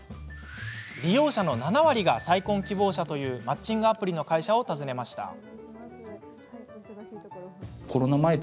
利用者の７割が再婚希望者というマッチングアプリの会社を訪ねました。